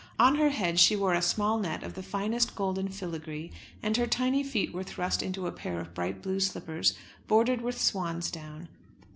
On her head she wore a small net of the finest golden filigree, and her tiny feet were thrust into a pair of bright blue slippers bordered with swans down.